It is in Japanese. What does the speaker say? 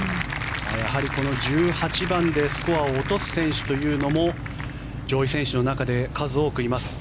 やはりこの１８番でスコアを落とす選手というのも上位選手の中で数多くいます。